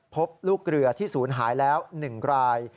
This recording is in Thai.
พบลูกเรือที่ศูนย์หายแล้ว๑ราย